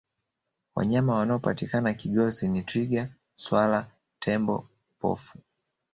wanyama wanaopatikana kigosi ni twiga swala tembo pofu